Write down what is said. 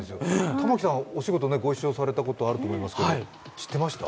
玉木さんはお仕事ご一緒されたことあると思うんですが、知ってました？